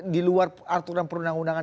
di luar arturan perundangan undangan